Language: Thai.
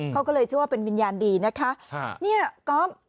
เขาก็เลยเชื่อว่าเป็นวิญญาณดีนะคะเนี่ยก๊อฟ